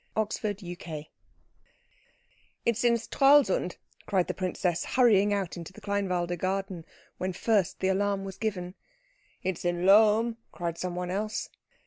CHAPTER XXIV "It's in Stralsund," cried the princess, hurrying out into the Kleinwalde garden when first the alarm was given. "It's in Lohm," cried someone else.